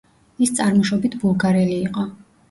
ის წარმოშობით ბულგარელი იყო.